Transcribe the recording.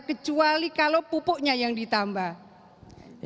kecuali kalau pupuknya yang ditambah